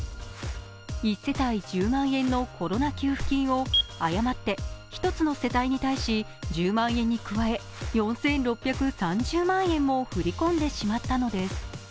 １世帯１０万円のコロナ給付金を誤って１つの世帯に対し１０万円に加え、４６３０万円も振り込んでしまったのです。